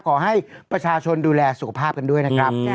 ขอให้ประชาชนดูแลสุขภาพกันด้วยนะครับ